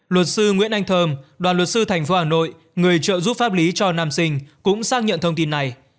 luật sư nguyễn anh thơm đoàn luật sư thành phố hà nội người trợ giúp pháp lý cho nam sinh cũng xác nhận thông tin này